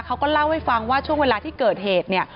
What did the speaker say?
เขาก็เล่าให้ฟังว่าช่วงเวลาที่เกิดเหตุเนี่ย